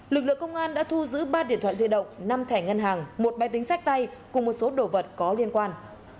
lực lượng công an đã thu giữ ba điện thoại di động năm thẻ ngân hàng một máy tính sách tay cùng một số đồ vật có liên quan